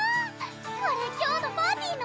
これ今日のパーティの？